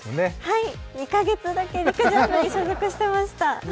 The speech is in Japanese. はい、２か月だけ陸上部に所属してました。